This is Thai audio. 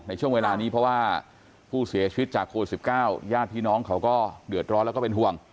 ในช่วงเวลานี้เพราะว่าผู้เสียชีวิตจากโควิด๑๙ญาติพี่น้องเขาก็เดือดร้อนแล้วก็เป็นห่วง